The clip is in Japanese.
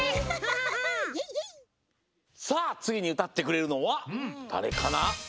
さあつぎにうたってくれるのはだれかな？